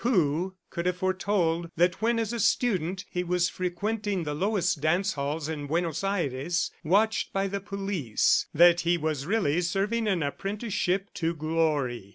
Who could have foretold that when as a student, he was frequenting the lowest dance halls in Buenos Aires, watched by the police, that he was really serving an apprenticeship to Glory?